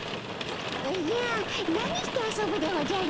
おじゃ何して遊ぶでおじゃる？